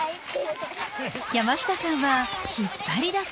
山下さんは引っ張りだこ。